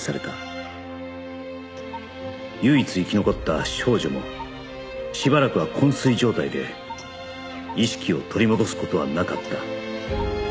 唯一生き残った少女もしばらくは昏睡状態で意識を取り戻す事はなかった